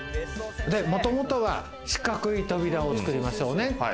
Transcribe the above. もともとは四角い扉を作りましょうねって